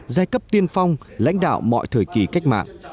giai cấp tiên phong lãnh đạo mọi thời kỳ cách mạng